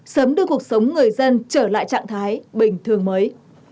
sớm đưa cuộc sống người dân trở lại trạng thái bình thường mới